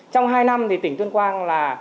trong hai năm thì tỉnh tuyên quang là